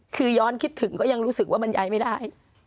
คือย้อนคิดถึงก็ยังรู้สึกว่ามันย้ายไม่ได้